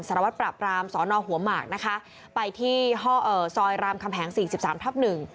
สารวัตรปราบรามสอนอหัวหมากนะคะไปที่ซอยรามคำแหงสี่สิบสามทับหนึ่ง